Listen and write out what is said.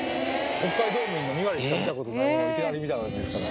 北海道民の２割しか見たことないものをいきなり見たわけですから。